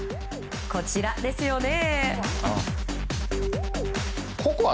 こちらですよね。